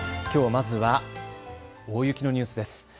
きょうまずは大雪のニュースです。